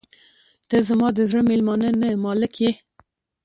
• ته زما د زړه میلمانه نه، مالک یې.